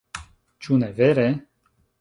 Ĉu ne vere?